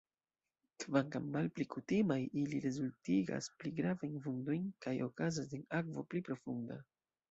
Kvankam malpli kutimaj, ili rezultigas pli gravajn vundojn kaj okazas en akvo pli profunda.